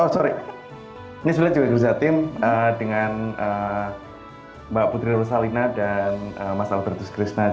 oh sorry ini juga kerja tim dengan mbak putri rursalina dan mas albertus krishna